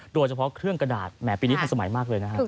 โดยเฉพาะเครื่องกระดาษแหมปีนี้ทันสมัยมากเลยนะครับ